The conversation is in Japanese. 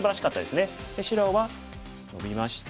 白はノビまして。